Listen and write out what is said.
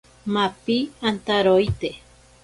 Mapi antaroite.